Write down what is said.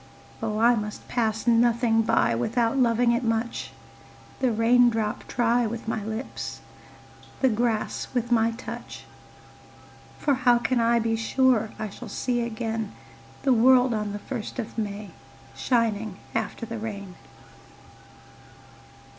Oh I must pass nothing by Without loving it much, The raindrop try with my lips, The grass with my touch; For how can I be sure I shall see again The world on the first of May Shining after the rain?